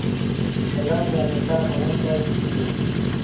چلند انعطاف مننونکی کیږي.